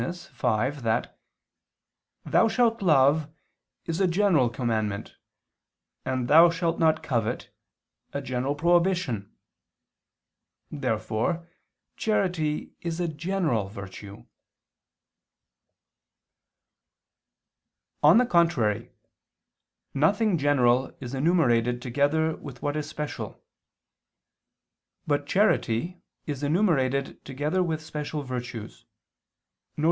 v) that, "Thou shalt love" is "a general commandment," and "Thou shalt not covet," "a general prohibition." Therefore charity is a general virtue. On the contrary, Nothing general is enumerated together with what is special. But charity is enumerated together with special virtues, viz.